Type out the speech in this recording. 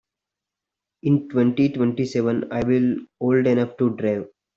In twenty-twenty-seven I will old enough to drive.